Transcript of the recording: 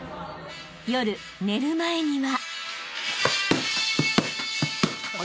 ［夜寝る前には］